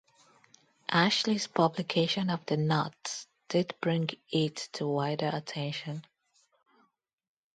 Ashley's publication of the knot did bring it to wider attention.